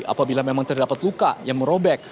apabila memang terdapat luka yang merobek